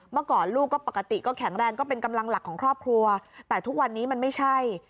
เมื่อก่อนลูกก็ปกติก็แข็งแรงก็เป็นกำลังหลักของครอบครัวแต่ทุกวันนี้มันไม่ใช่